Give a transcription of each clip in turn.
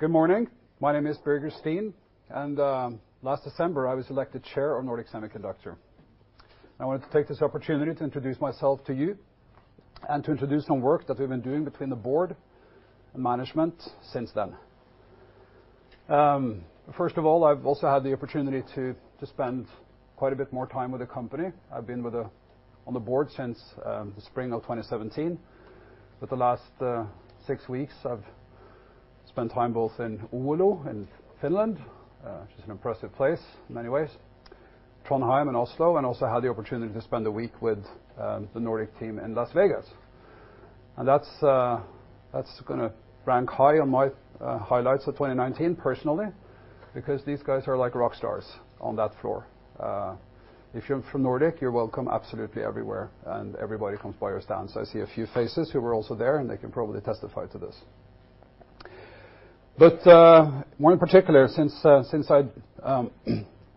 Good morning. My name is Birger Steen, and last December, I was elected Chair of Nordic Semiconductor. I wanted to take this opportunity to introduce myself to you to introduce some work that we've been doing between the Board and management since then. First of all, I've also had the opportunity to spend quite a bit more time with the company. I've been on the Board since the spring of 2017, the last six weeks I've spent time both in Oulu, in Finland, which is an impressive place in many ways, Trondheim and Oslo, also had the opportunity to spend a week with the Nordic team in Las Vegas. That's going to rank high on my highlights of 2019 personally, because these guys are like rock stars on that floor. If you're from Nordic, you're welcome absolutely everywhere, everybody comes by your stand. I see a few faces who were also there, they can probably testify to this. More in particular, since I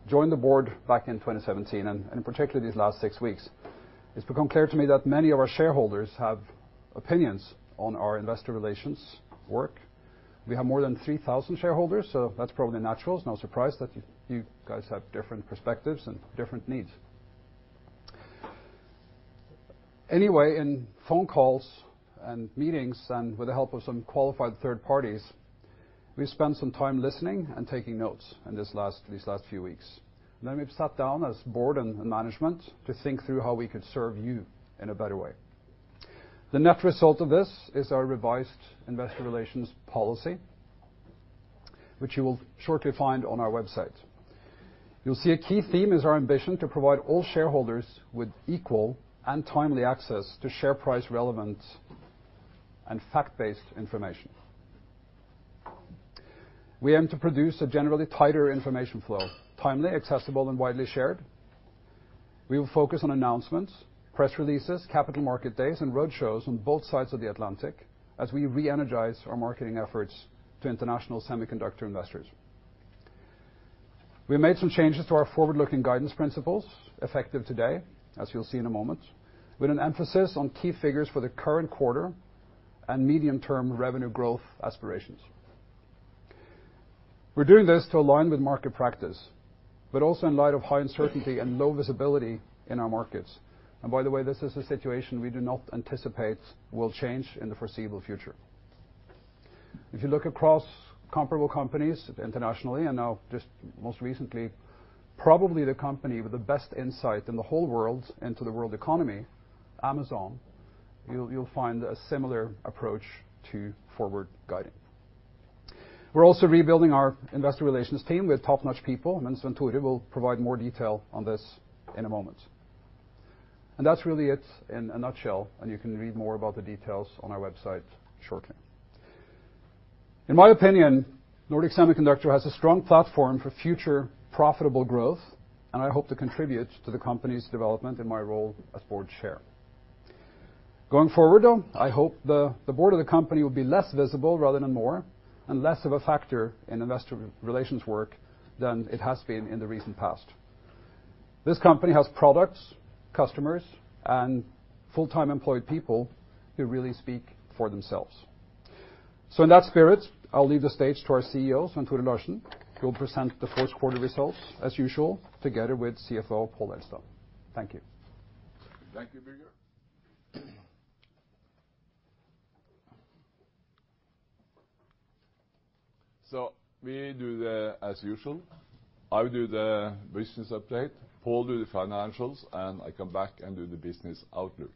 joined the Board back in 2017, particularly these last six weeks, it's become clear to me that many of our shareholders have opinions on our investor relations work. We have more than 3,000 shareholders, that's probably natural. It's no surprise that you guys have different perspectives different needs. Anyway, in phone calls and meetings, with the help of some qualified third parties, we've spent some time listening taking notes in these last few weeks. Then we've sat down as Board and management to think through how we could serve you in a better way. The net result of this is our revised investor relations policy, which you will shortly find on our website. You'll see a key theme is our ambition to provide all shareholders with equal timely access to share price relevant fact-based information. We aim to produce a generally tighter information flow, timely, accessible, widely shared. We will focus on announcements, press releases, capital market days, road shows on both sides of the Atlantic as we reenergize our marketing efforts to international semiconductor investors. We have made some changes to our forward-looking guidance principles effective today, as you'll see in a moment, with an emphasis on key figures for the current quarter medium-term revenue growth aspirations. We're doing this to align with market practice, also in light of high uncertainty low visibility in our markets. By the way, this is a situation we do not anticipate will change in the foreseeable future. If you look across comparable companies internationally, now just most recently, probably the company with the best insight in the whole world into the world economy, Amazon, you'll find a similar approach to forward guidance. We're also rebuilding our investor relations team with top-notch people, Svenn-Tore will provide more detail on this in a moment. That's really it in a nutshell, you can read more about the details on our website shortly. In my opinion, Nordic Semiconductor has a strong platform for future profitable growth, I hope to contribute to the company's development in my role as Board Chair. Going forward, though, I hope the Board of the company will be less visible rather than more, less of a factor in investor relations work than it has been in the recent past. This company has products, customers, and full-time employed people who really speak for themselves. In that spirit, I'll leave the stage to our CEO, Svenn-Tore Larsen, who will present the first quarter results as usual, together with CFO Pål Elstad. Thank you. Thank you, Birger. We do the as usual. I'll do the business update, Pål do the financials, and I come back and do the business outlook.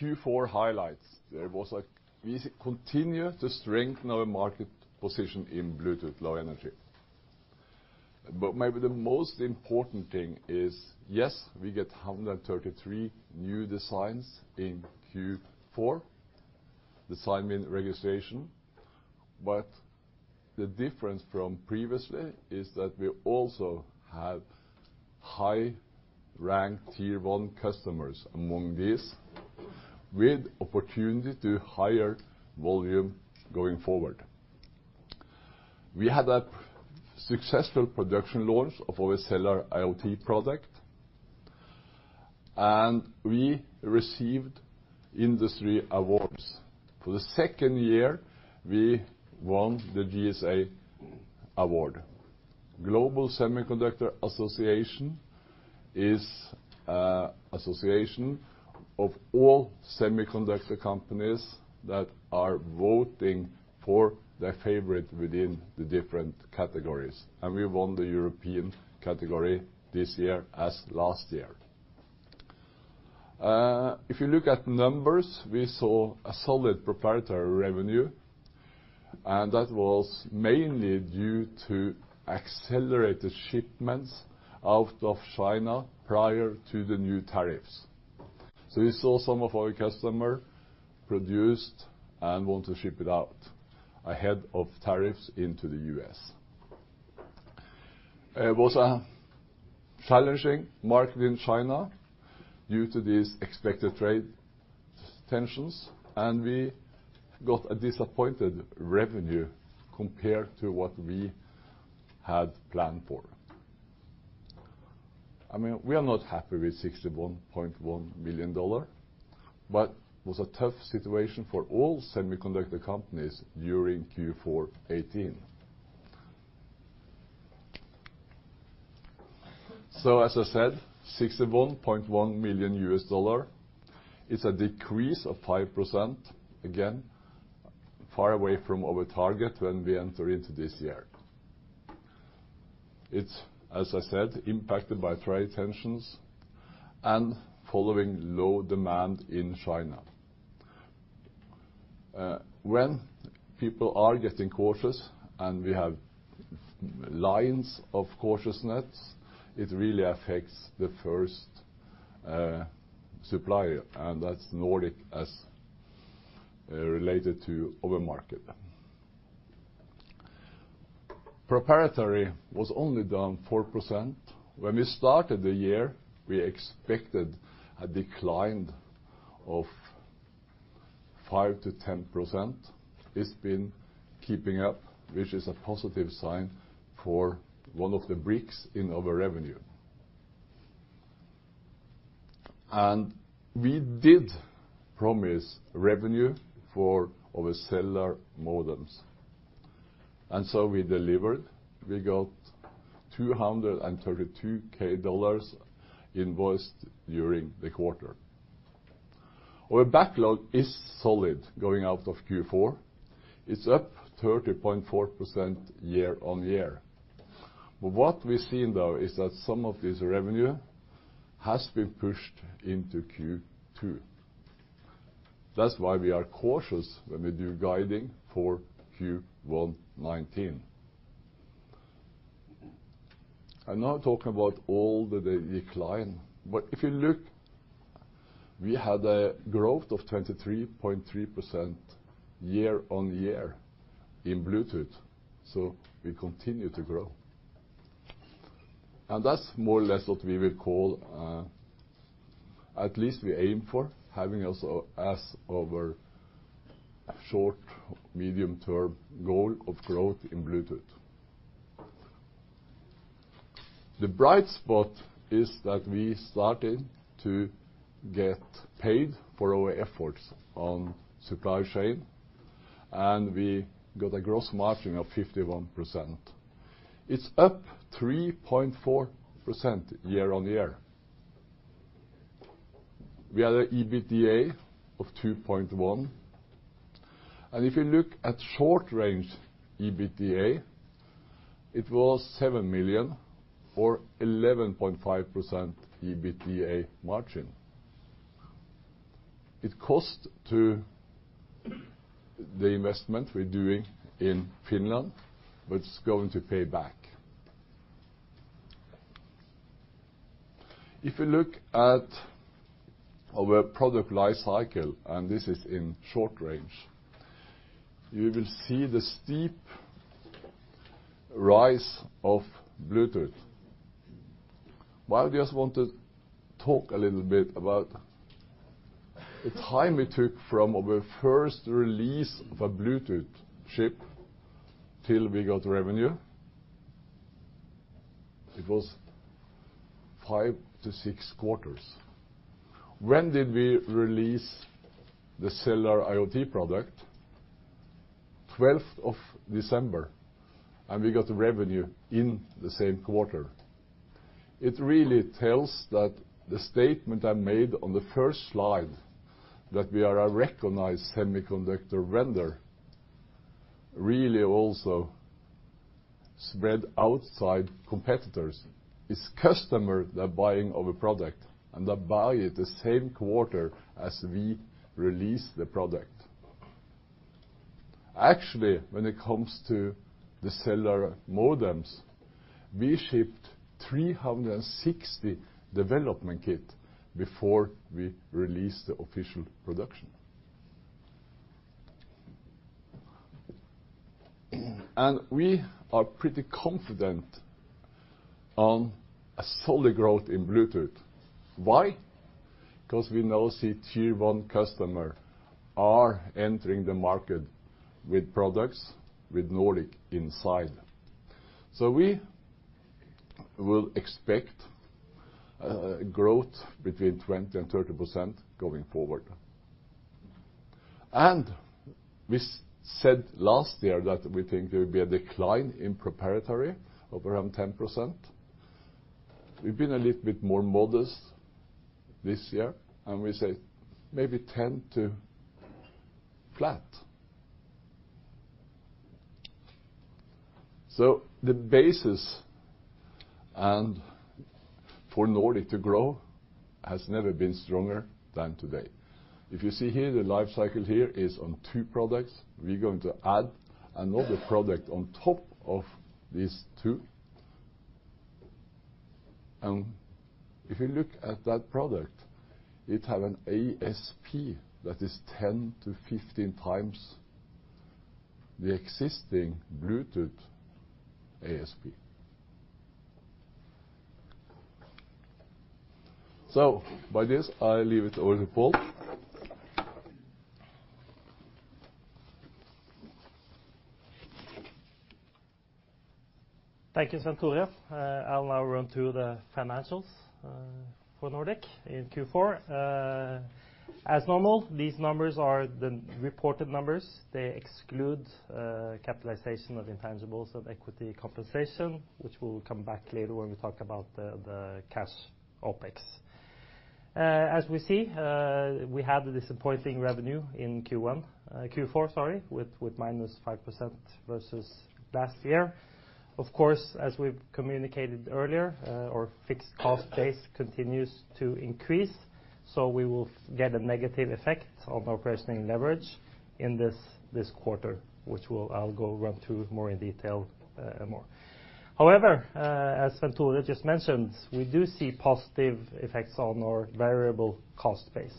Q4 highlights. We continue to strengthen our market position in Bluetooth Low Energy. But maybe the most important thing is, yes, we get 133 new designs in Q4, design win registration, but the difference from previously is that we also have high rank tier 1 customers among these, with opportunity to higher volume going forward. We had a successful production launch of our Cellular IoT product, and we received industry awards. For the second year, we won the GSA Award. Global Semiconductor Alliance is an association of all semiconductor companies that are voting for their favorite within the different categories, and we won the European category this year as last year. If you look at numbers, we saw a solid proprietary revenue, and that was mainly due to accelerated shipments out of China prior to the new tariffs. We saw some of our customers produced and want to ship it out ahead of tariffs into the U.S. It was a challenging market in China due to these expected trade tensions, and we got a disappointing revenue compared to what we had planned for. We are not happy with $61.1 million, but it was a tough situation for all semiconductor companies during Q4 2018. As I said, $61.1 million is a decrease of 5%, again, far away from our target when we enter into this year. It's, as I said, impacted by trade tensions and following low demand in China. When people are getting cautious and we have lines of cautiousness, it really affects the first supplier, and that's Nordic as related to our market. Proprietary was only down 4%. When we started the year, we expected a decline of 5%-10%. It's been keeping up, which is a positive sign for one of the bricks in our revenue. We did promise revenue for our cellular modems, we delivered. We got $232K invoiced during the quarter. Our backlog is solid going out of Q4. It's up 30.4% year-on-year. What we've seen, though, is that some of this revenue has been pushed into Q2. That's why we are cautious when we do guiding for Q1 2019. I'm not talking about all the decline, but if you look, we had a growth of 23.3% year-on-year in Bluetooth, we continue to grow. That's more or less what we will call, at least we aim for, having as our short-medium term goal of growth in Bluetooth. The bright spot is that we started to get paid for our efforts on supply chain, and we got a gross margin of 51%. It is up 3.4% year-on-year. We had an EBITDA of 2.1, and if you look at short-range EBITDA, it was 7 million or 11.5% EBITDA margin. It cost to the investment we are doing in Finland, but it is going to pay back. If you look at our product life cycle, and this is in short range, you will see the steep rise of Bluetooth. I just want to talk a little bit about the time it took from our first release of a Bluetooth chip till we got revenue. It was five to six quarters. When did we release the Cellular IoT product? 12th of December, and we got revenue in the same quarter. It really tells that the statement I made on the first slide, that we are a recognized semiconductor vendor, really also spread outside competitors. It is customers that are buying our product, and they buy it the same quarter as we release the product. Actually, when it comes to the cellular modems, we shipped 360 development kit before we released the official production. We are pretty confident on a solid growth in Bluetooth. Why? Because we now see Tier 1 customer are entering the market with products with Nordic inside. We will expect growth between 20% and 30% going forward. We said last year that we think there will be a decline in proprietary of around 10%. We have been a little bit more modest this year, and we say maybe 10% to flat. The basis and for Nordic to grow has never been stronger than today. If you see here, the life cycle here is on two products. We are going to add another product on top of these two. If you look at that product, it have an ASP that is 10 to 15 times the existing Bluetooth ASP. By this, I leave it over to Pål. Thank you, Svenn-Tore. I will now run through the financials for Nordic in Q4. As normal, these numbers are the reported numbers. They exclude capitalization of intangibles of equity compensation, which we will come back later when we talk about the cash OpEx. As we see, we had a disappointing revenue in Q4, sorry, with -5% versus last year. Of course, as we have communicated earlier, our fixed cost base continues to increase, so we will get a negative effect on our operating leverage in this quarter, which I will go run through more in detail. However, as Svenn-Tore just mentioned, we do see positive effects on our variable cost base.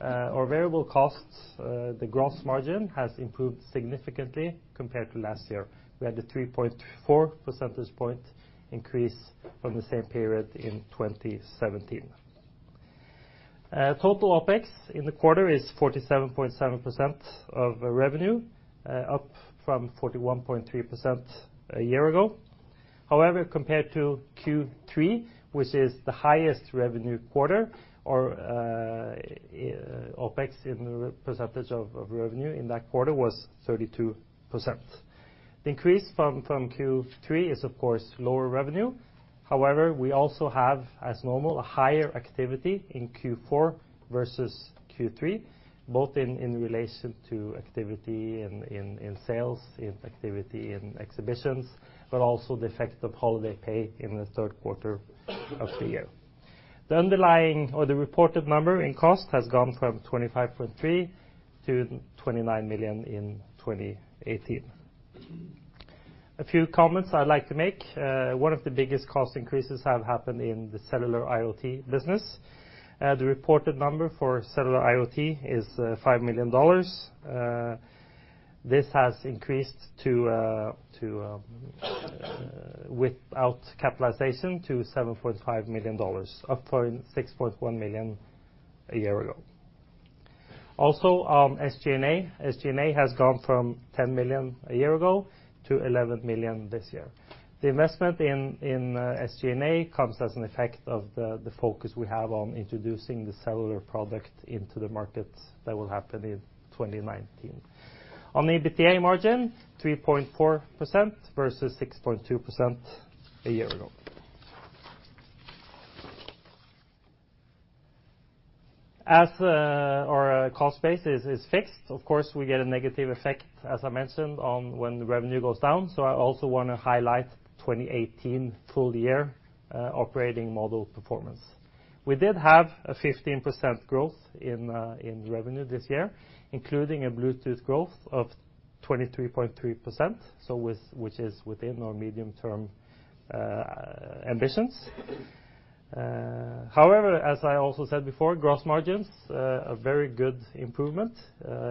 Our variable costs, the gross margin, has improved significantly compared to last year. We had a 3.4 percentage point increase from the same period in 2017. Total OpEx in the quarter is 47.7% of revenue, up from 41.3% a year ago. Compared to Q3, which is the highest revenue quarter, our OpEx in the percentage of revenue in that quarter was 32%. Increase from Q3 is, of course, lower revenue. We also have, as normal, a higher activity in Q4 versus Q3, both in relation to activity in sales, in activity in exhibitions, but also the effect of holiday pay in the third quarter of the year. The underlying or the reported number in cost has gone from 25.3 million to 29 million in 2018. A few comments I'd like to make. One of the biggest cost increases have happened in the Cellular IoT business. The reported number for Cellular IoT is NOK 5 million. This has increased, without capitalization, to NOK 7.5 million, up from 6.1 million a year ago. SG&A. SG&A has gone from 10 million a year ago to 11 million this year. The investment in SG&A comes as an effect of the focus we have on introducing the cellular product into the markets that will happen in 2019. On the EBITDA margin, 3.4% versus 6.2% a year ago. As our cost base is fixed, of course, we get a negative effect, as I mentioned, on when the revenue goes down, I also want to highlight 2018 full-year operating model performance. We did have a 15% growth in revenue this year, including a Bluetooth growth of 23.3%, which is within our medium-term ambitions. As I also said before, gross margins, a very good improvement.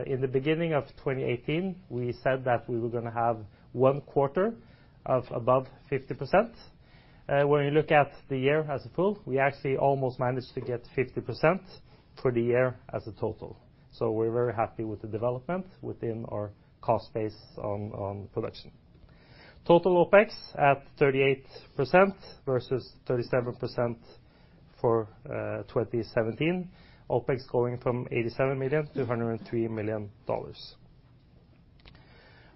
In the beginning of 2018, we said that we were going to have one quarter of above 50%. When we look at the year as a full, we actually almost managed to get 50% for the year as a total. We're very happy with the development within our cost base on production. Total OpEx at 38% versus 37% for 2017. OpEx going from 87 million to NOK 103 million.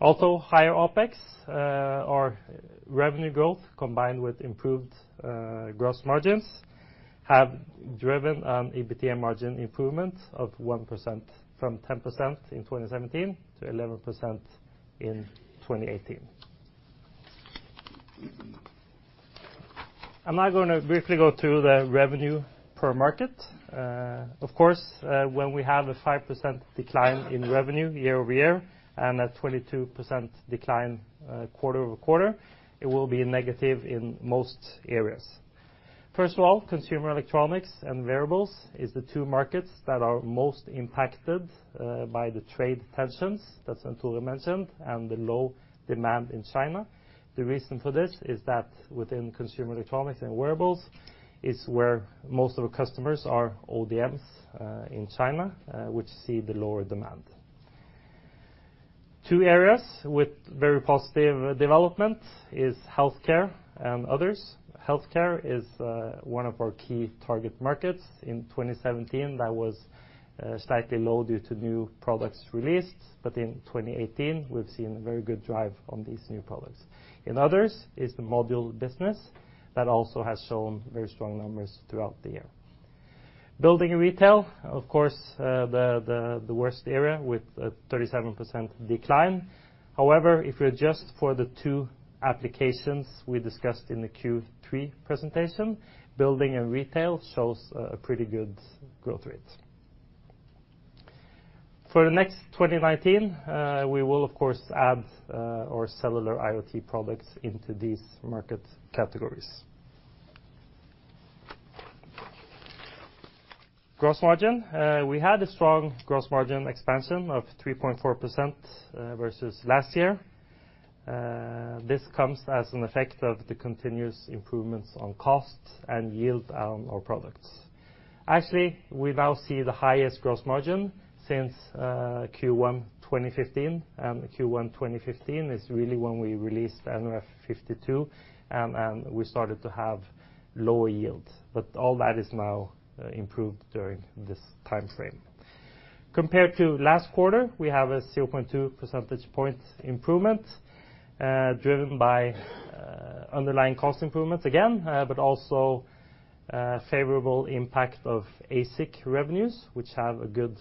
Higher OpEx. Our revenue growth combined with improved gross margins have driven an EBITDA margin improvement of 1%, from 10% in 2017 to 11% in 2018. I'm now going to briefly go through the revenue per market. When we have a 5% decline in revenue year-over-year and a 22% decline quarter-over-quarter, it will be negative in most areas. First of all, consumer electronics and wearables is the two markets that are most impacted by the trade tensions that Svenn-Tore mentioned and the low demand in China. The reason for this is that within consumer electronics and wearables is where most of our customers are ODMs in China, which see the lower demand. Two areas with very positive development is Healthcare and others. Healthcare is one of our key target markets. In 2017, that was slightly low due to new products released. In 2018, we've seen a very good drive on these new products. In others is the module business. That also has shown very strong numbers throughout the year. Building and retail, of course, the worst area with a 37% decline. If you adjust for the two applications we discussed in the Q3 presentation, building and retail shows a pretty good growth rate. For the next 2019, we will of course add our Cellular IoT products into these market categories. Gross margin. We had a strong gross margin expansion of 3.4% versus last year. This comes as an effect of the continuous improvements on cost and yield on our products. Actually, we now see the highest gross margin since Q1 2015. Q1 2015 is really when we released nRF52, and we started to have lower yields. All that is now improved during this timeframe. Compared to last quarter, we have a 0.2 percentage point improvement, driven by underlying cost improvements again, but also favorable impact of ASIC revenues, which have a good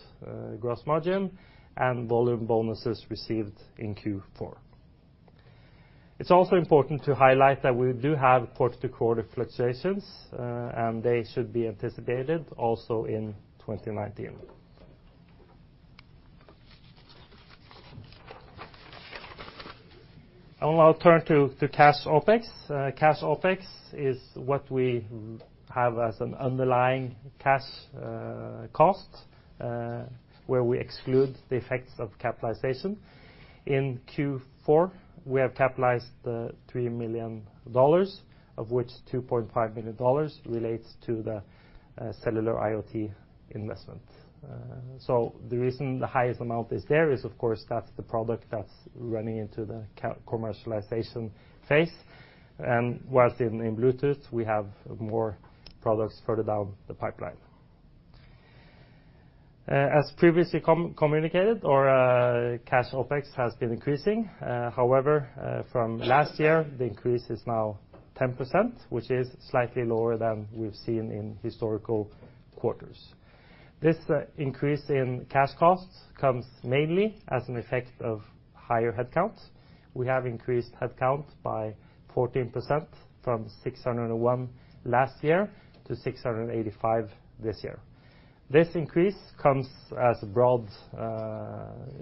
gross margin, and volume bonuses received in Q4. It's also important to highlight that we do have quarter-to-quarter fluctuations, and they should be anticipated also in 2019. Now I'll turn to cash OpEx. Cash OpEx is what we have as an underlying cash cost, where we exclude the effects of capitalization. In Q4, we have capitalized NOK 3 million, of which NOK 2.5 million relates to the cellular IoT investment. The reason the highest amount is there is, of course, that's the product that's running into the commercialization phase. Whilst in Bluetooth, we have more products further down the pipeline. As previously communicated, our cash OpEx has been increasing. However, from last year, the increase is now 10%, which is slightly lower than we've seen in historical quarters. This increase in cash costs comes mainly as an effect of higher headcounts. We have increased headcount by 14%, from 601 last year to 685 this year. This increase comes as a broad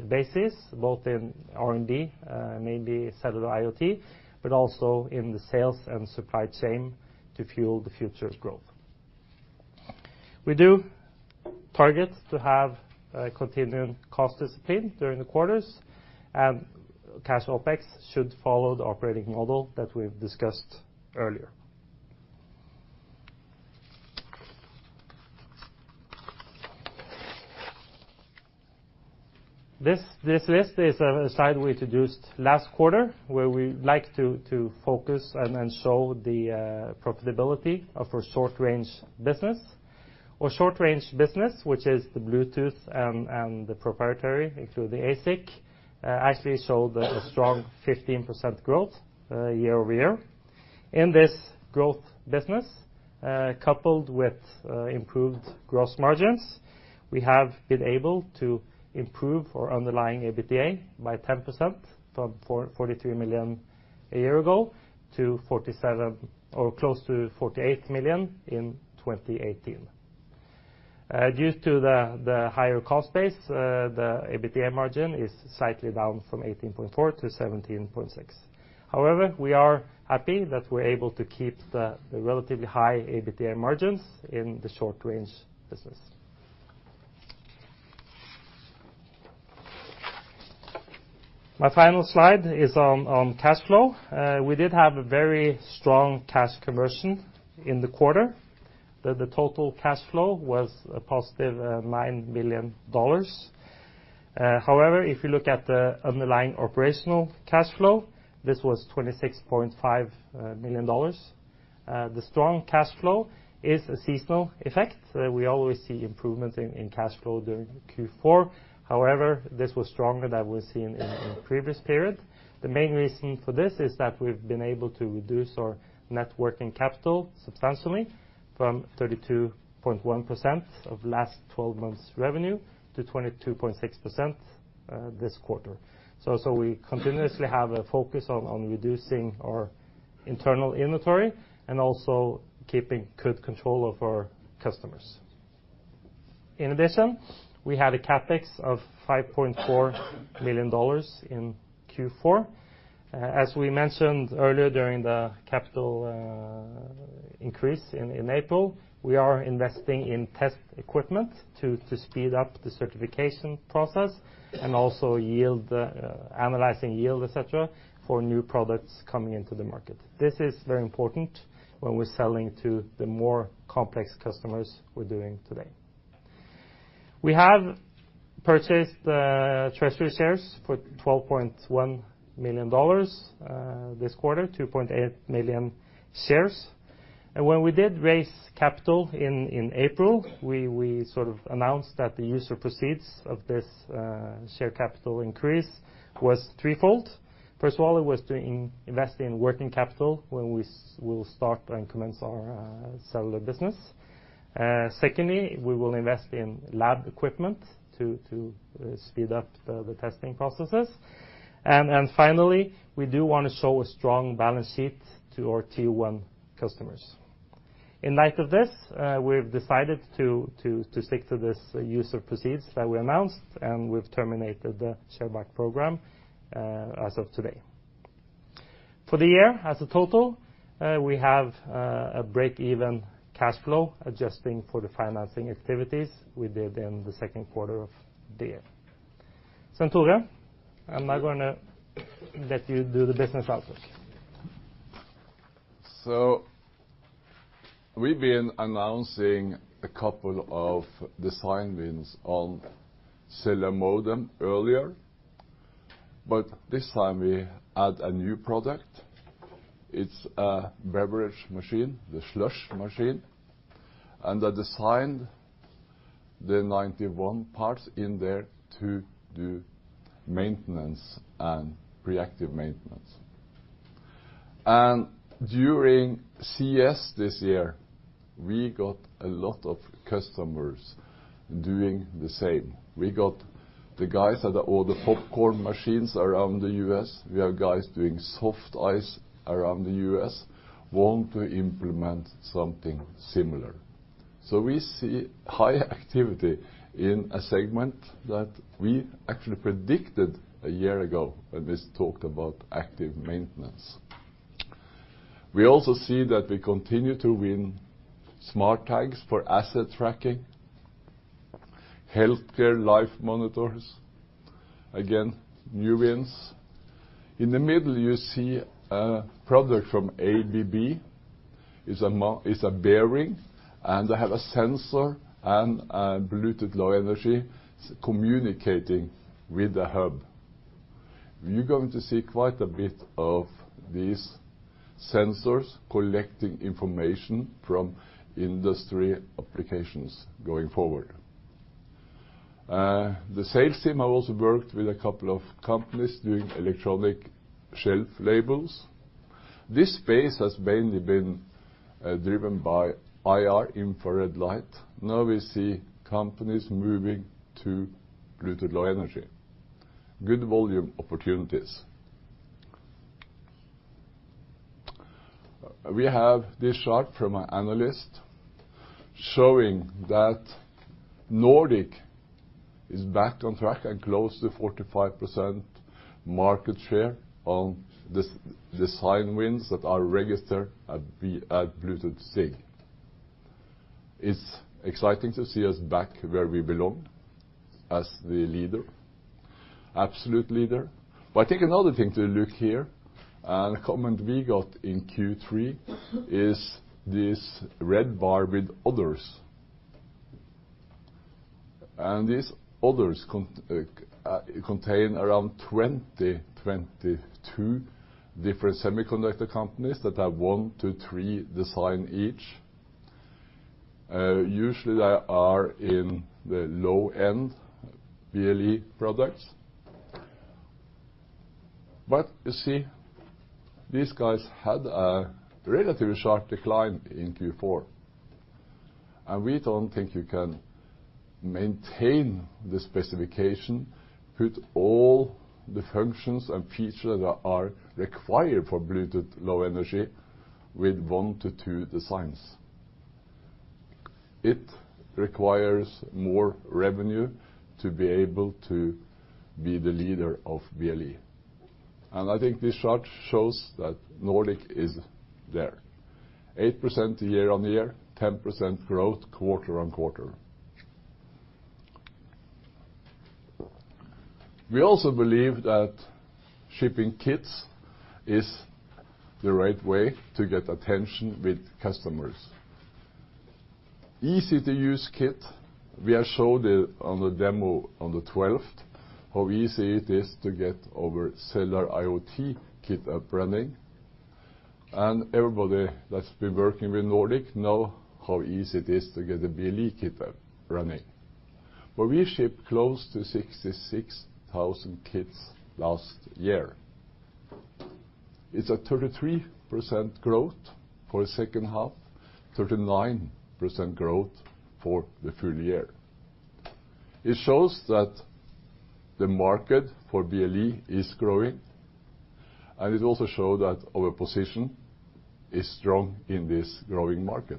basis, both in R&D, mainly cellular IoT, but also in the sales and supply chain to fuel the future growth. We do target to have continuing cost discipline during the quarters, and cash OpEx should follow the operating model that we've discussed earlier. This list is a slide we introduced last quarter, where we like to focus and show the profitability of our short range business. Our short range business, which is the Bluetooth and the proprietary through the ASIC, actually showed a strong 15% growth year-over-year. In this growth business, coupled with improved gross margins, we have been able to improve our underlying EBITDA by 10%, from 43 million a year ago to 47 million, or close to 48 million in 2018. Due to the higher cost base, the EBITDA margin is slightly down from 18.4% to 17.6%. However, we are happy that we're able to keep the relatively high EBITDA margins in the short range business. My final slide is on cash flow. We did have a very strong cash conversion in the quarter. The total cash flow was a positive NOK 9 million. However, if you look at the underlying operational cash flow, this was NOK 26.5 million. The strong cash flow is a seasonal effect. We always see improvement in cash flow during Q4. However, this was stronger than we've seen in the previous period. The main reason for this is that we've been able to reduce our net working capital substantially from 32.1% of last 12 months revenue to 22.6% this quarter. We continuously have a focus on reducing our internal inventory and also keeping good control of our customers. In addition, we had a CapEx of NOK 5.4 million in Q4. As we mentioned earlier during the capital increase in April, we are investing in test equipment to speed up the certification process and also analyzing yield, et cetera, for new products coming into the market. This is very important when we're selling to the more complex customers we're doing today. We have purchased treasury shares for NOK 12.1 million this quarter, 2.8 million shares. When we did raise capital in April, we sort of announced that the use of proceeds of this share capital increase was threefold. First of all, it was to invest in working capital when we will start and commence our cellular business. Secondly, we will invest in lab equipment to speed up the testing processes. Finally, we do want to show a strong balance sheet to our Tier 1 customers. In light of this, we've decided to stick to this use of proceeds that we announced, and we've terminated the share buy program as of today. For the year as a total, we have a break-even cash flow adjusting for the financing activities we did in the second quarter of the year. Tore, I'm now going to let you do the business outlook. We've been announcing a couple of design wins on cellular modem earlier, this time we add a new product. It's a beverage machine, the Slush machine, they designed the nRF91 parts in there to do maintenance and reactive maintenance. During CES this year, we got a lot of customers doing the same. We got the guys that are all the popcorn machines around the U.S., we have guys doing soft ice around the U.S., want to implement something similar. We see high activity in a segment that we actually predicted a year ago when we talked about active maintenance. We also see that we continue to win smart tags for asset tracking, healthcare life monitors. Again, new wins. In the middle, you see a product from ABB. It's a bearing, they have a sensor and a Bluetooth Low Energy communicating with the hub. You're going to see quite a bit of these sensors collecting information from industry applications going forward. The sales team have also worked with a couple of companies doing electronic shelf labels. This space has mainly been driven by IR, infrared light. Now we see companies moving to Bluetooth Low Energy. Good volume opportunities. We have this chart from an analyst showing that Nordic is back on track and close to 45% market share on the design wins that are registered at Bluetooth SIG. It's exciting to see us back where we belong as the leader, absolute leader. I think another thing to look here, a comment we got in Q3, is this red bar with others. These others contain around 20, 22 different semiconductor companies that have one to three design each. Usually, they are in the low end BLE products. You see these guys had a relative sharp decline in Q4, we don't think you can maintain the specification, put all the functions and features that are required for Bluetooth Low Energy with one to two designs. It requires more revenue to be able to be the leader of BLE. I think this chart shows that Nordic is there. 8% year-on-year, 10% growth quarter-on-quarter. We also believe that shipping kits is the right way to get attention with customers. Easy-to-use kit. We are showed on the demo on the 12th how easy it is to get our Cellular IoT kit up running. Everybody that's been working with Nordic know how easy it is to get a BLE kit up running. We shipped close to 66,000 kits last year. It's a 33% growth for the second half, 39% growth for the full year. It shows that the market for BLE is growing, it also shows that our position is strong in this growing market.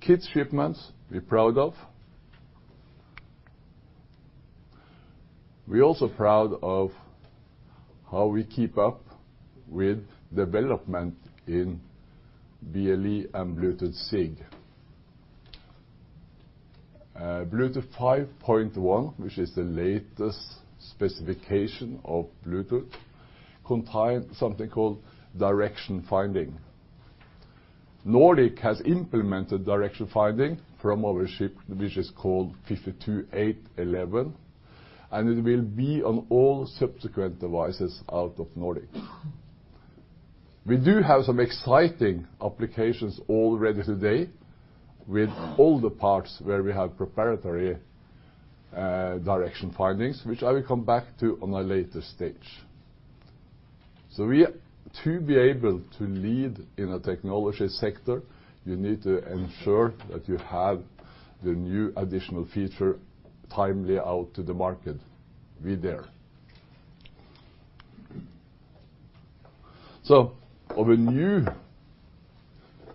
Kit shipments we're proud of. We're also proud of how we keep up with development in BLE and Bluetooth SIG. Bluetooth 5.1, which is the latest specification of Bluetooth, contains something called direction finding. Nordic has implemented direction finding from our chip, which is called nRF52811, and it will be on all subsequent devices out of Nordic. We do have some exciting applications already today with all the parts where we have preparatory direction findings, which I will come back to on a later stage. To be able to lead in a technology sector, you need to ensure that you have the new additional feature timely out to the market. We're there. Of a new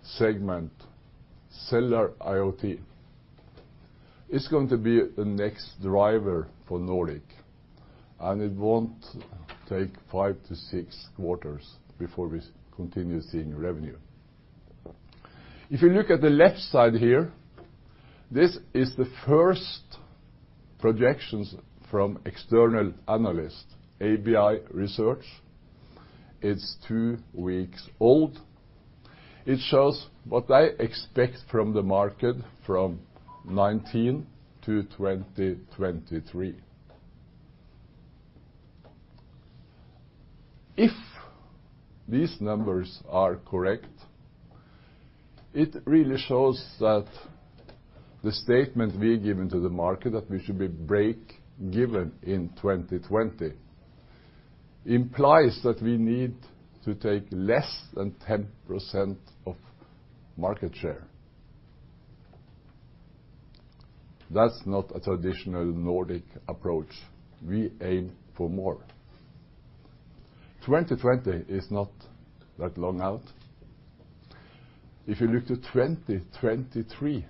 segment, Cellular IoT, it's going to be the next driver for Nordic, and it won't take five to six quarters before we continue seeing revenue. If you look at the left side here, this is the first projections from external analyst, ABI Research. It's two weeks old. It shows what I expect from the market from 2019 to 2023. If these numbers are correct, it really shows that the statement we've given to the market, that we should be break-even in 2020, implies that we need to take less than 10% of market share. That's not a traditional Nordic approach. We aim for more. 2020 is not that long out. If you look to 2023,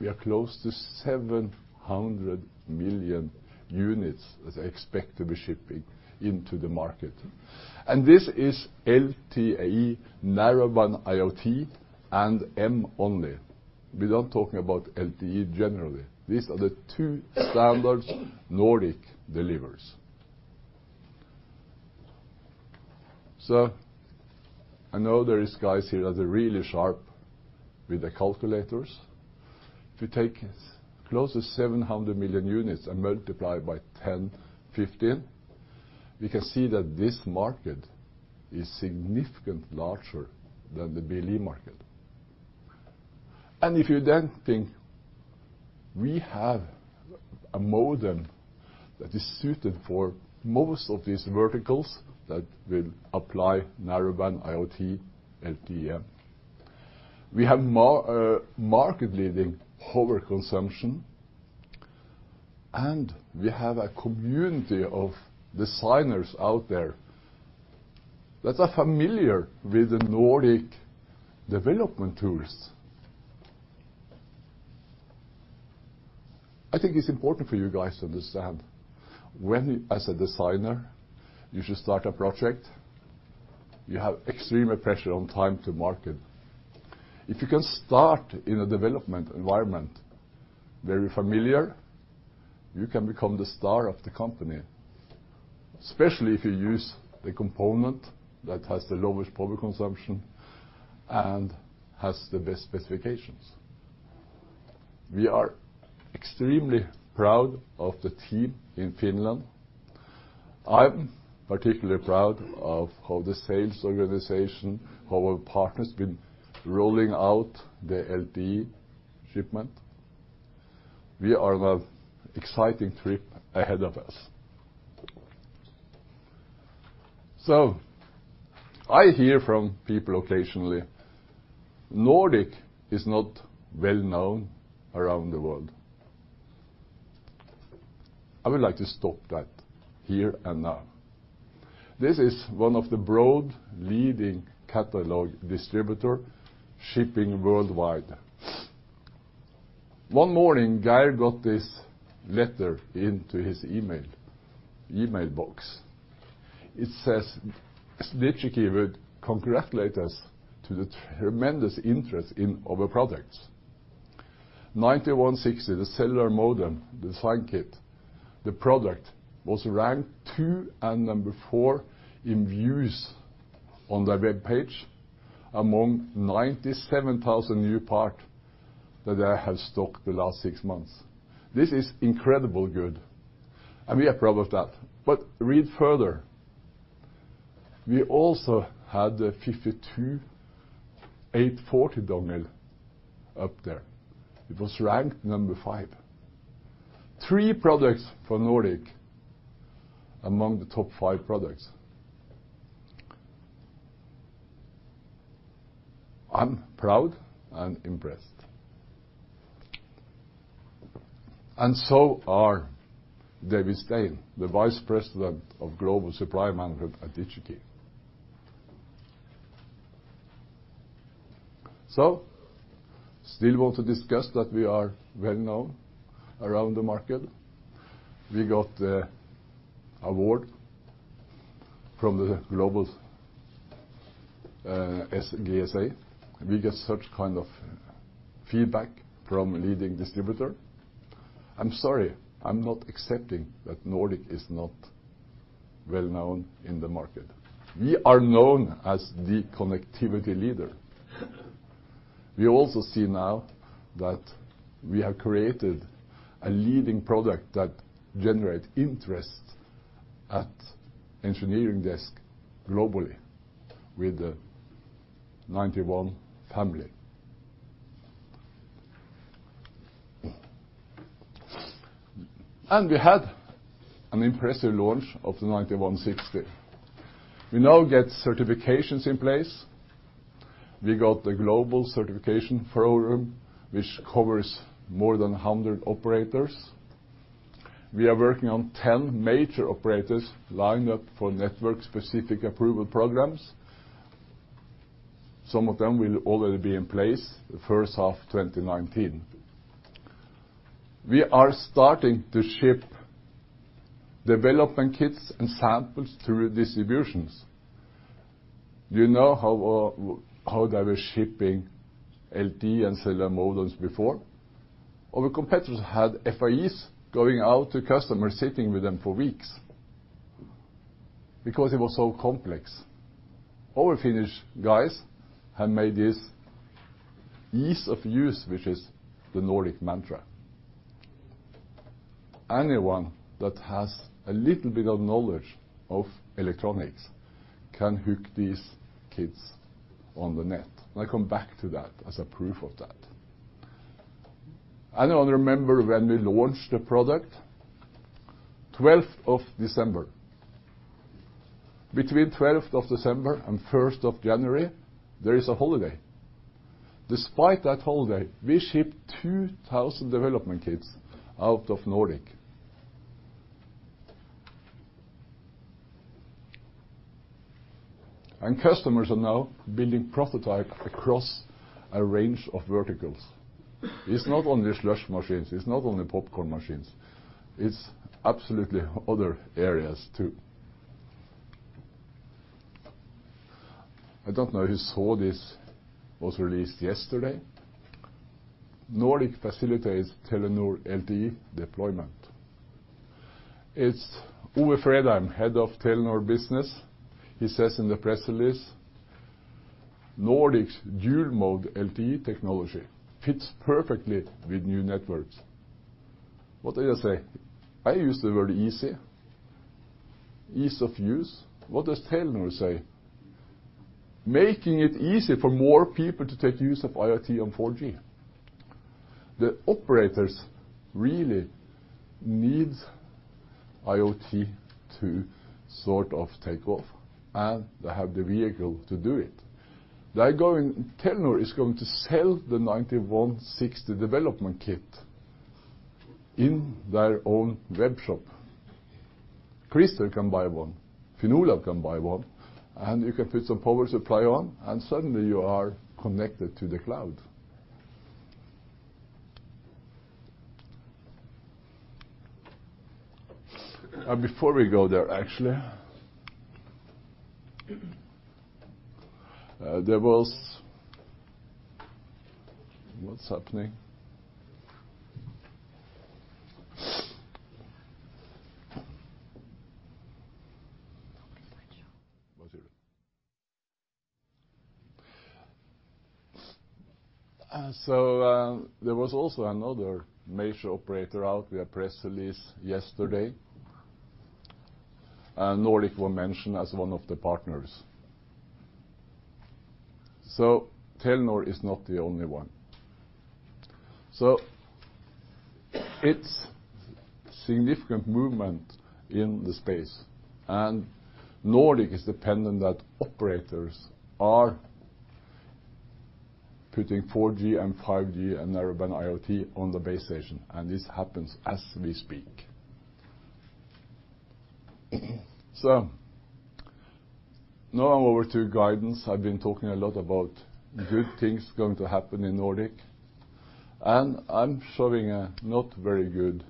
we are close to 700 million units that I expect to be shipping into the market, and this is LTE Narrowband IoT and LTE-M only. We're not talking about LTE generally. These are the two standards Nordic delivers. I know there are guys here that are really sharp with the calculators. If you take close to 700 million units and multiply by 10, 15, we can see that this market is significantly larger than the BLE market. If you then think we have a modem that is suited for most of these verticals that will apply Narrowband IoT, LTE-M. We have market-leading power consumption, we have a community of designers out there that are familiar with the Nordic development tools. I think it's important for you guys to understand, when as a designer, you should start a project, you have extreme pressure on time to market. If you can start in a development environment very familiar, you can become the star of the company, especially if you use the component that has the lowest power consumption and has the best specifications. We are extremely proud of the team in Finland. I'm particularly proud of how the sales organization, how our partner's been rolling out the LTE shipment. We have an exciting trip ahead of us. I hear from people occasionally, Nordic is not well-known around the world. I would like to stop that here and now. This is one of the broad-leading catalog distributor shipping worldwide. One morning, Geir got this letter into his email box. It says, Digi-Key would congratulate us to the tremendous interest in our products. 9160, the cellular modem design kit, the product was ranked 2 and 4 in views on their webpage among 97,000 new part that they have stocked the last six months. This is incredibly good, and we are proud of that. Read further. We also had the nRF52840 Dongle up there. It was ranked number 5. Three products for Nordic among the top 5 products. I'm proud and impressed. And so are David Stein, the Vice President of Global Supplier Management at Digi-Key. Still want to discuss that we are well-known around the market? We got the award from the GSA. We get such kind of feedback from leading distributor. I'm sorry, I'm not accepting that Nordic is not well-known in the market. We are known as the connectivity leader. We also see now that we have created a leading product that generate interest at engineering desks globally with the nRF91 family. We had an impressive launch of the nRF9160. We now get certifications in place. We got the global certification program, which covers more than 100 operators. We are working on 10 major operators lined up for network-specific approval programs. Some of them will already be in place the first half of 2019. We are starting to ship development kits and samples through distributions. Do you know how they were shipping LTE and cellular modems before? Our competitors had FAEs going out to customers, sitting with them for weeks because it was so complex. Our Finnish guys have made this ease of use, which is the Nordic mantra. Anyone that has a little bit of knowledge of electronics can hook these kits on the net, and I come back to that as proof of that. Anyone remember when we launched the product? 12th of December. Between 12th of December and 1st of January, there is a holiday. Despite that holiday, we shipped 2,000 development kits out of Nordic. And customers are now building prototypes across a range of verticals. It's not only slush machines. It's not only popcorn machines. It's absolutely other areas too. I don't know who saw this was released yesterday. Nordic facilitates Telenor LTE deployment. It's Ove Fredheim, Head of Telenor Business. He says in the press release, "Nordic's dual-mode LTE technology fits perfectly with new networks." What did I say? I used the word easy. Ease of use. What does Telenor say? Making it easy for more people to make use of IoT on 4G." The operators really need IoT to take off, and they have the vehicle to do it. Telenor is going to sell the nRF9160 development kit in their own web shop. Christer can buy one. Fionnuala can buy one, and you can put some power supply on and suddenly you are connected to the cloud. Before we go there, actually. What's happening? Nobody can hear you. There was also another major operator out with a press release yesterday, and Nordic was mentioned as one of the partners. Telenor is not the only one. It's significant movement in the space, and Nordic is dependent that operators are putting 4G and 5G and Narrowband IoT on the base station, and this happens as we speak. Now I'm over to guidance. I've been talking a lot about good things going to happen in Nordic, and I'm showing a not very good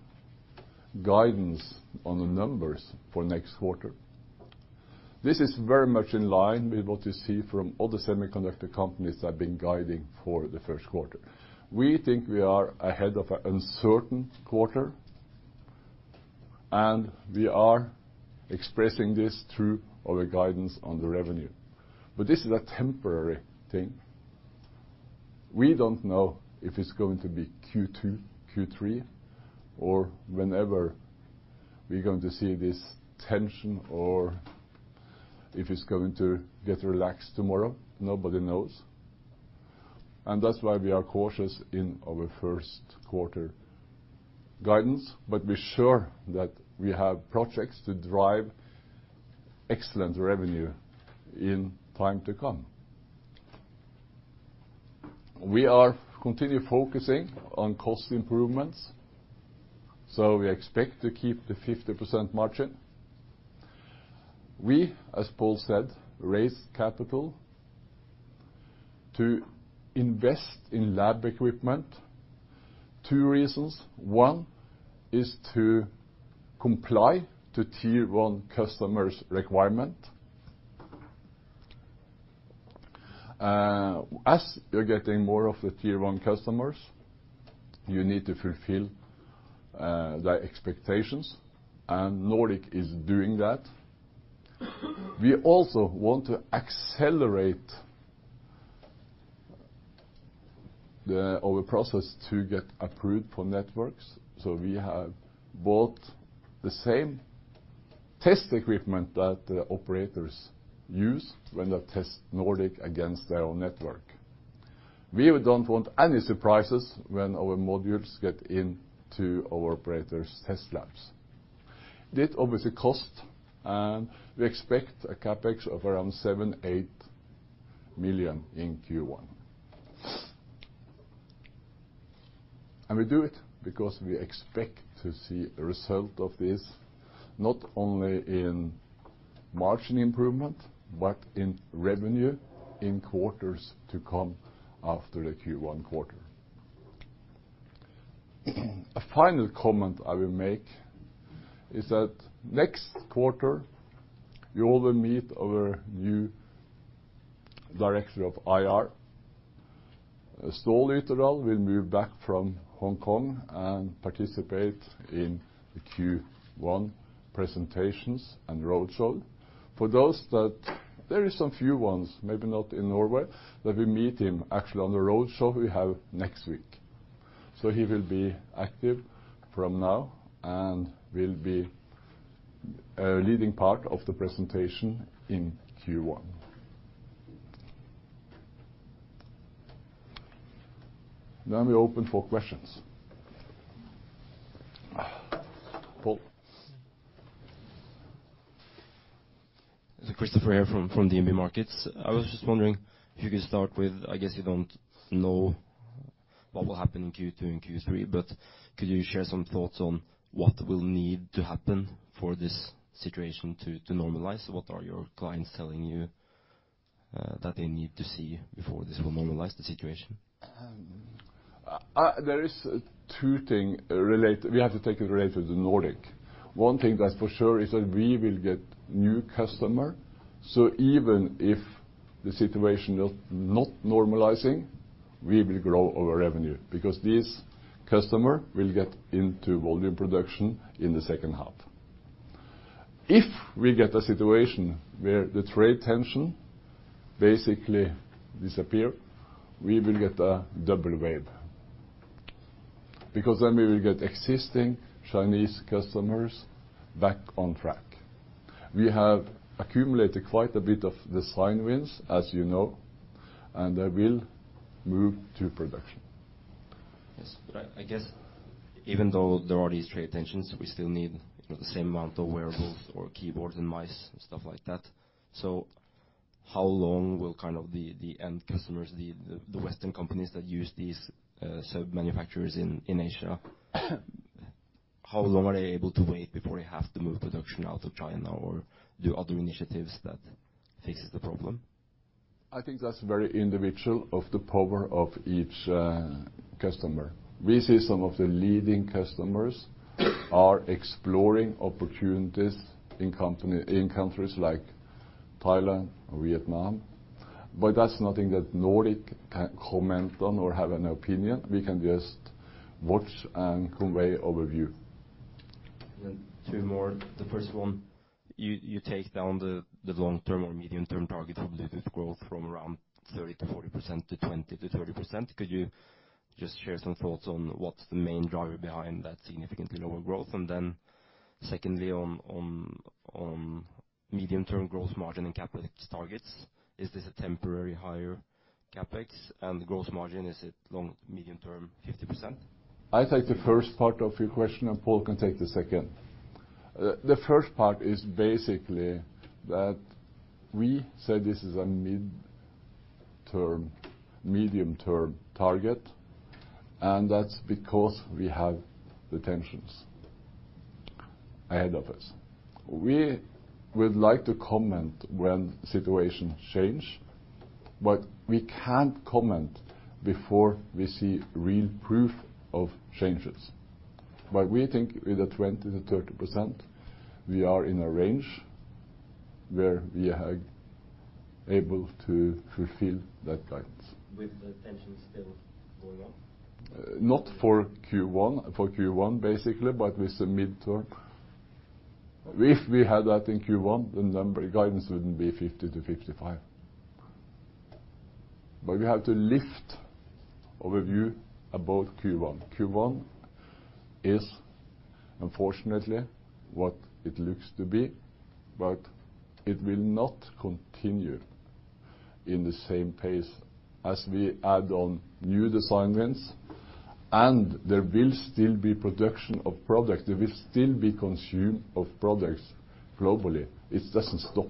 guidance on the numbers for next quarter. This is very much in line with what you see from other semiconductor companies that have been guiding for the first quarter. We think we are ahead of an uncertain quarter, and we are expressing this through our guidance on the revenue. This is a temporary thing. We don't know if it's going to be Q2, Q3, or whenever we're going to see this tension, or if it's going to get relaxed tomorrow. Nobody knows, and that's why we are cautious in our first quarter guidance. Be sure that we have projects to drive excellent revenue in time to come. We are continually focusing on cost improvements, so we expect to keep the 50% margin. We, as Pål said, raised capital to invest in lab equipment. Two reasons. One is to comply to Tier 1 customers' requirement. As you're getting more of the Tier 1 customers, you need to fulfill their expectations, and Nordic is doing that. We also want to accelerate our process to get approved for networks. We have bought the same test equipment that the operators use when they test Nordic against their own network. We don't want any surprises when our modules get into our operators' test labs. This obviously costs, and we expect a CapEx of around 7 million-8 million in Q1. We do it because we expect to see a result of this not only in margin improvement, but in revenue in quarters to come after the Q1 quarter. A final comment I will make is that next quarter, you all will meet our new director of IR. Ståle Ytterdal will move back from Hong Kong and participate in the Q1 presentations and roadshow. For those that, there is some few ones, maybe not in Norway, that we meet him actually on the roadshow we have next week. He will be active from now, and will be a leading part of the presentation in Q1. We open for questions. Pål. Christoffer here from DNB Markets. I was just wondering if you could start with, I guess you don't know what will happen in Q2 and Q3, could you share some thoughts on what will need to happen for this situation to normalize? What are your clients telling you that they need to see before this will normalize the situation? There is two thing related, we have to take it related to the Nordic. One thing that's for sure is that we will get new customer. Even if the situation not normalizing, we will grow our revenue because this customer will get into volume production in the second half. If we get a situation where the trade tension basically disappear, we will get a double weight. Then we will get existing Chinese customers back on track. We have accumulated quite a bit of design wins, as you know, and they will move to production. Yes. I guess even though there are these trade tensions, we still need the same amount of wearables or keyboards and mice and stuff like that. How long will the end customers, the Western companies that use these sub-manufacturers in Asia, how long are they able to wait before they have to move production out of China or do other initiatives that fixes the problem? I think that's very individual of the power of each customer. We see some of the leading customers are exploring opportunities in countries like Thailand or Vietnam. That's nothing that Nordic can comment on or have an opinion. We can just watch and convey our view. Two more. The first one, you take down the long-term or medium-term target of business growth from around 30%-40% to 20%-30%. Could you just share some thoughts on what's the main driver behind that significantly lower growth? Secondly, on medium-term growth margin and CapEx targets, is this a temporary higher CapEx? And the gross margin, is it medium-term 50%? I take the first part of your question. Pål can take the second. The first part is basically that we say this is a medium-term target. That's because we have the tensions ahead of us. We would like to comment when situation change, but we can't comment before we see real proof of changes. We think with the 20%-30%, we are in a range where we are able to fulfill that guidance. With the tension still going on? Not for Q1, basically, but with the mid-term. If we had that in Q1, the number guidance wouldn't be 50%-55%. We have to lift our view above Q1. Q1 is unfortunately what it looks to be, but it will not continue in the same pace as we add on new design wins. There will still be production of product. There will still be consumption of products globally. It doesn't stop.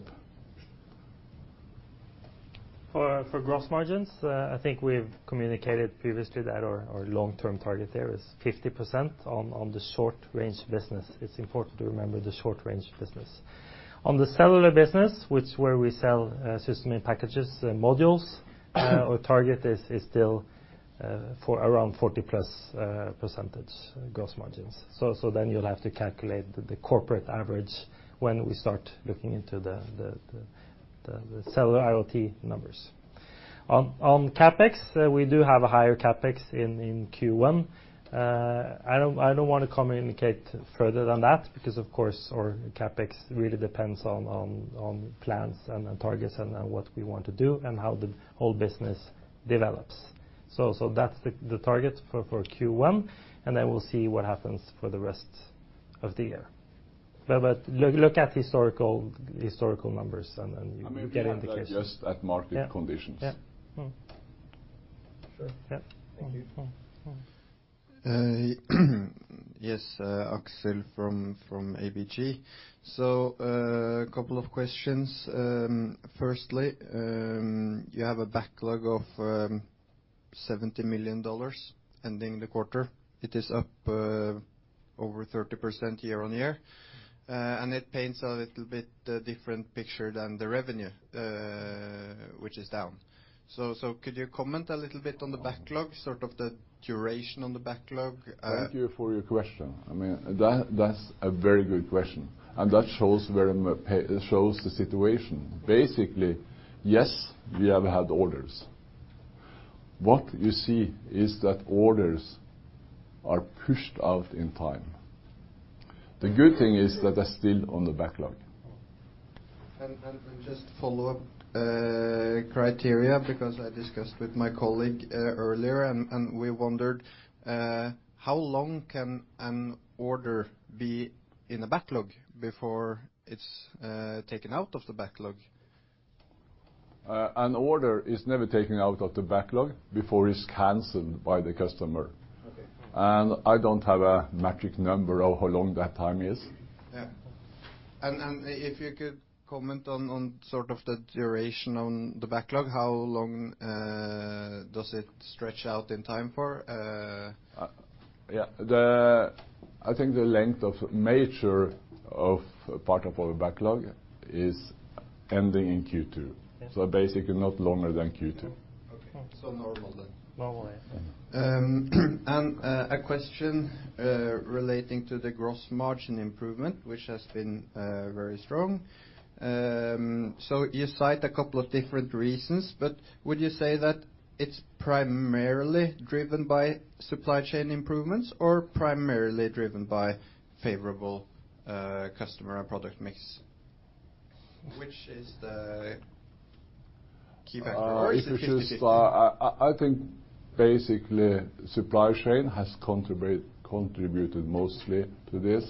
For gross margins, I think we've communicated previously that our long-term target there is 50% on the short-range business. It's important to remember the short-range business. On the cellular business, which where we sell System-in-Packages and modules, our target is still for around 40%+ gross margins. You'll have to calculate the corporate average when we start looking into the cellular IoT numbers. On CapEx, we do have a higher CapEx in Q1. I don't want to communicate further than that because, of course, our CapEx really depends on plans and targets. On what we want to do and how the whole business develops. That's the target for Q1. Then we'll see what happens for the rest of the year. Look at historical numbers and you get an indication. I maybe have to adjust at market conditions. Yeah. Sure. Yeah. Thank you. Yes. Axel from ABG. A couple of questions. Firstly, you have a backlog of NOK 70 million ending the quarter. It is up over 30% year-on-year, and it paints a little bit different picture than the revenue, which is down. Could you comment a little bit on the backlog, the duration on the backlog? Thank you for your question. That's a very good question, and that shows the situation. Basically, yes, we have had orders. What you see is that orders are pushed out in time. The good thing is that they're still on the backlog. Just follow up criteria, because I discussed with my colleague earlier and we wondered how long can an order be in a backlog before it's taken out of the backlog? An order is never taken out of the backlog before it's canceled by the customer. Okay. I don't have a magic number of how long that time is. Yeah. If you could comment on the duration on the backlog, how long does it stretch out in time for? Yeah. I think the length of major of part of our backlog is ending in Q2. Yeah. Basically not longer than Q2. Okay. Normal then. Normal, yeah. A question relating to the gross margin improvement, which has been very strong. You cite a couple of different reasons, but would you say that it's primarily driven by supply chain improvements or primarily driven by favorable customer and product mix? Which is the key factor? If it is- Is it 50/50? I think basically supply chain has contributed mostly to this.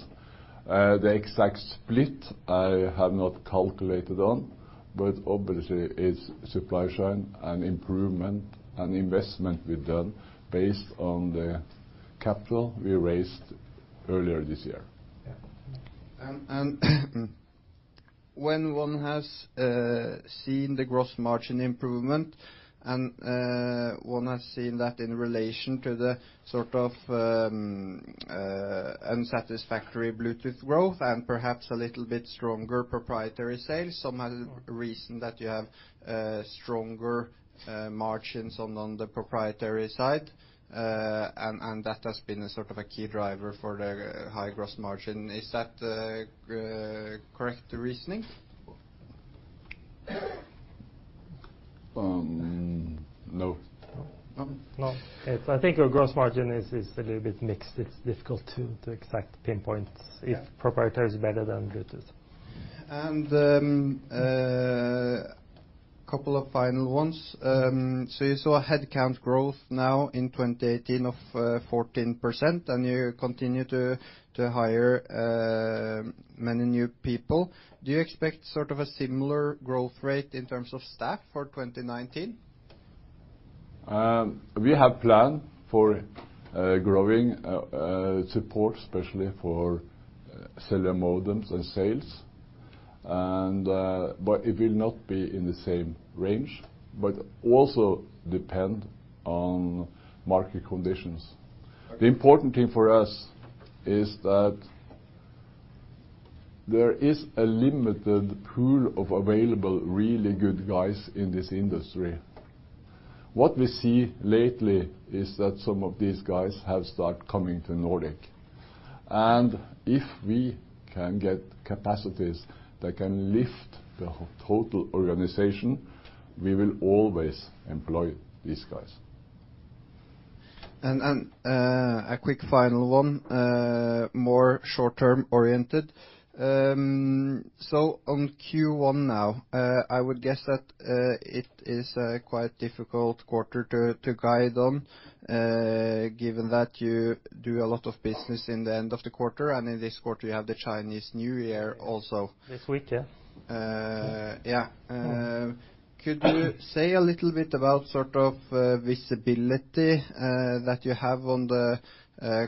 The exact split I have not calculated on, but obviously it's supply chain and improvement and investment we've done based on the capital we raised earlier this year. Yeah. When one has seen the gross margin improvement and one has seen that in relation to the unsatisfactory Bluetooth growth and perhaps a little bit stronger proprietary sales, some reason that you have stronger margins on the proprietary side, and that has been a key driver for the high gross margin. Is that correct reasoning? No. No? No. I think our gross margin is a little bit mixed. It's difficult to exact pinpoint. Yeah if proprietary is better than Bluetooth. Couple of final ones. You saw a headcount growth now in 2018 of 14%, and you continue to hire many new people. Do you expect a similar growth rate in terms of staff for 2019? We have plan for growing support, especially for cellular modems and sales. It will not be in the same range, but also depend on market conditions. Okay. The important thing for us is that there is a limited pool of available, really good guys in this industry. What we see lately is that some of these guys have start coming to Nordic, and if we can get capacities that can lift the total organization, we will always employ these guys. A quick final one, more short-term oriented. On Q1 now, I would guess that it is a quite difficult quarter to guide on, given that you do a lot of business in the end of the quarter, and in this quarter you have the Chinese New Year also. This week, yeah. Yeah. Could you say a little bit about visibility that you have on the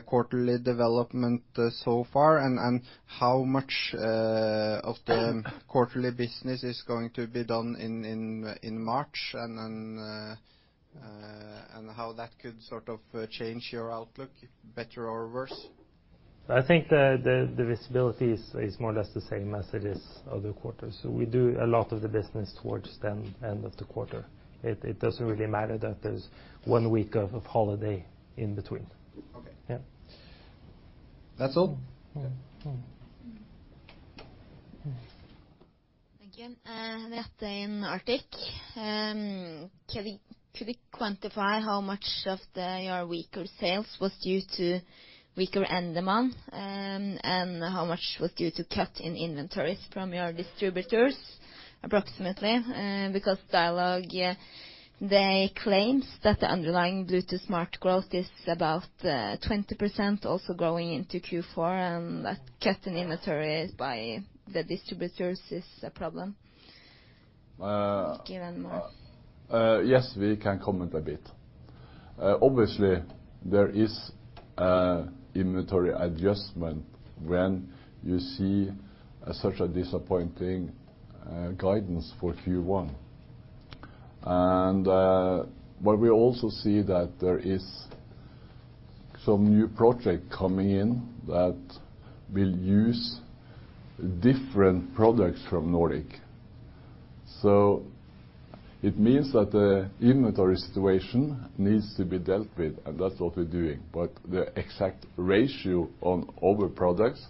quarterly development so far, and how much of the quarterly business is going to be done in March, and how that could change your outlook better or worse? I think the visibility is more or less the same as it is other quarters. We do a lot of the business towards the end of the quarter. It doesn't really matter that there's one week of holiday in between. Okay. Yeah. That's all? Yeah. Okay. Thank you. Rette in Arctic Securities. Could we quantify how much of your weaker sales was due to weaker end demand, and how much was due to cut in inventories from your distributors, approximately? Dialog, they claim that the underlying Bluetooth Smart growth is about 20% also growing into Q4, and that cut in inventories by the distributors is a problem. Yes, we can comment a bit. Obviously, there is inventory adjustment when you see such a disappointing guidance for Q1. We also see that there is some new project coming in that will use different products from Nordic. It means that the inventory situation needs to be dealt with, and that's what we're doing. The exact ratio on over products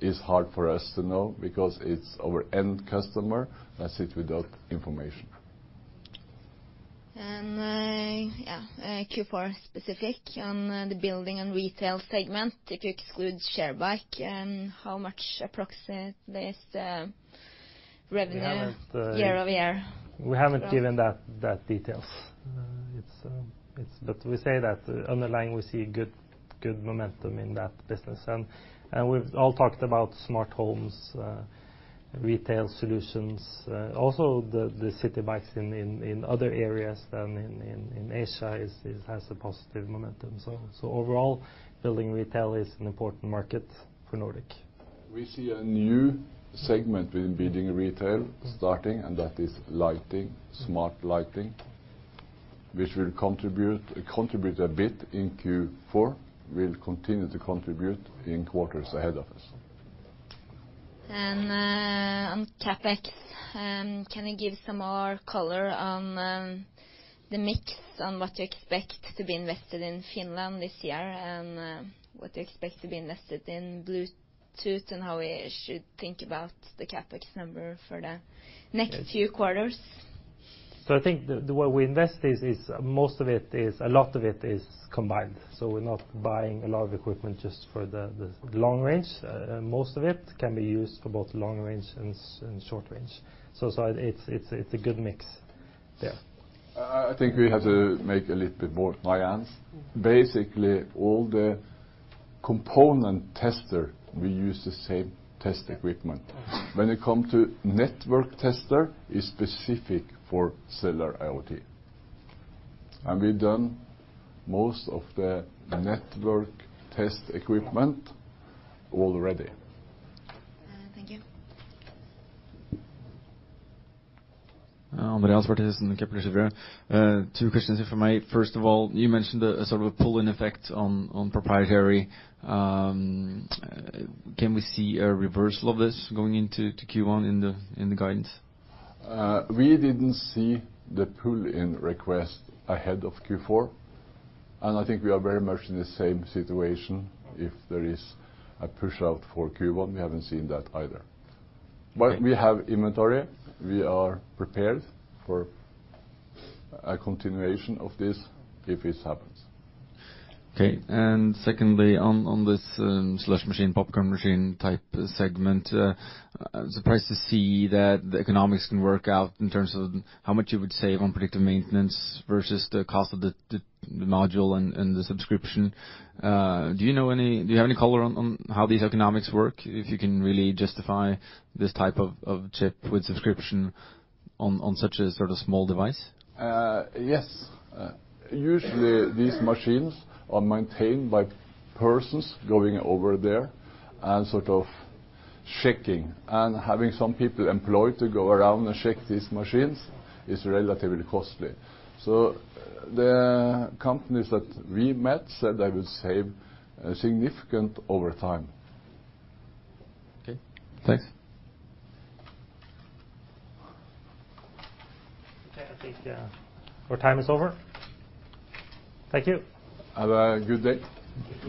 is hard for us to know because it's our end customer that sits with that information. Q4 specific on the building and retail segment, if you exclude Share Bike, how much approximate there is revenue year-over-year? We haven't given that details. We say that underlying, we see good momentum in that business. We've all talked about smart homes, retail solutions. Also the city bikes in other areas than in Asia has a positive momentum. Overall, building retail is an important market for Nordic. We see a new segment in building retail starting, that is lighting, smart lighting, which will contribute a bit in Q4, will continue to contribute in quarters ahead of us. On CapEx, can you give some more color on the mix on what you expect to be invested in Finland this year and what you expect to be invested in Bluetooth and how we should think about the CapEx number for the next few quarters? I think the way we invest is a lot of it is combined. We're not buying a lot of equipment just for the long range. Most of it can be used for both long range and short range. It's a good mix. Yeah. I think we have to make a little bit more. Basically, all the component tester, we use the same test equipment. When it come to network tester, is specific for Cellular IoT. We've done most of the network test equipment already. Thank you. Andreas Bertheussen, Kepler Cheuvreux. Two questions here from me. First of all, you mentioned a sort of pull-in effect on proprietary. Can we see a reversal of this going into Q1 in the guidance? We didn't see the pull-in request ahead of Q4, and I think we are very much in the same situation. If there is a push-out for Q1, we haven't seen that either. Thank you. We have inventory. We are prepared for a continuation of this if it happens. Okay. Secondly, on this slush machine, popcorn machine type segment, surprised to see that the economics can work out in terms of how much you would save on predictive maintenance versus the cost of the module and the subscription. Do you have any color on how these economics work? If you can really justify this type of chip with subscription on such a sort of small device? Yes. Usually these machines are maintained by persons going over there and sort of checking and having some people employed to go around and check these machines is relatively costly. The companies that we met said they would save significant over time. Okay. Thanks. Okay, I think our time is over. Thank you. Have a good day.